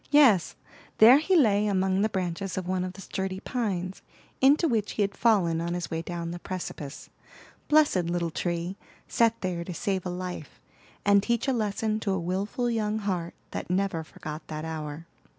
Yes, there he lay among the branches of one of the sturdy pines, into which he had fallen on his way down the precipice. Blessed little tree! set there to save a life, and teach a lesson to a wilful young heart that never forgot that hour.